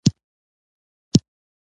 شتمن خلک خپل شتمني د خلکو خوښۍ ته لګوي.